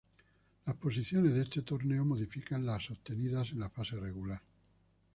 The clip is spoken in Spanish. Las posiciones de este torneo modifican las obtenidas en la fase regular.